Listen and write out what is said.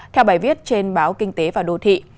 theo bài viết trên báo kinh tế và đô thị